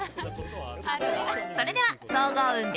それでは総合運